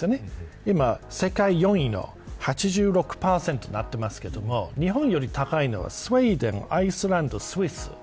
今、世界４位の８６％になっていますが日本より高いのはスウェーデンアイスランド、スイスです。